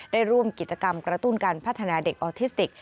ได้ร่วมกิจกรรมกระตุ้นการพัฒนาเด็กออทิสติก